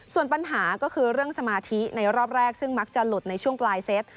ส่วนปัญหาก็คือเรื่องสมาธิในรอบแรกซึ่งมักจะหลุดในช่วงปลายเซต